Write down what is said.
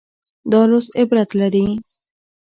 دا لوست عبرت لري.